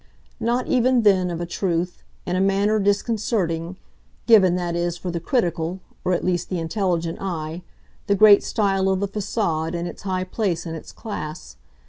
Not even then, of a truth, in a manner disconcerting given, that is, for the critical, or at least the intelligent, eye, the great style of the facade and its high place in its class.